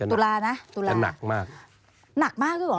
หนักมากหรือหรอทำไม